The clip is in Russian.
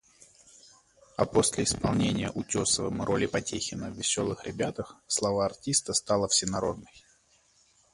а после исполнения Утесовым роли Потехина в "Веселых ребятах" слава артиста стала всенародной.